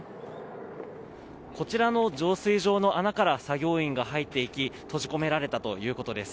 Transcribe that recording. こちらの浄水場の穴から作業員が入っていき閉じ込められたということです。